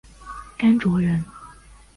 甘卓人。